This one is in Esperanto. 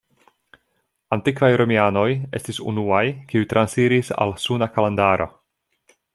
Antikvaj Romianoj estis unuaj, kiuj transiris al Suna kalendaro.